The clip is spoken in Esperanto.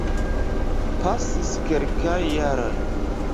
Pasis kelkaj jaroj.